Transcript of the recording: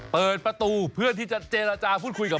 เปิดประตูเพื่อที่จะเจรจาพูดคุยกับ